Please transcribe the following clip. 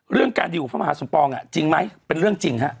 เรื่องการดีกว่าพระมหาสมปองจริงไหมเป็นเรื่องจริงฮะ